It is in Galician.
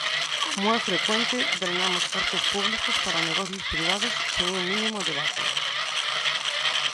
Como é frecuente, drenamos cartos públicos para negocios privados sen un mínimo debate.